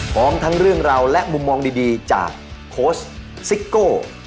พร้อมทั้งเรื่องราวและมุมมองดีจากโค้ชซิโก้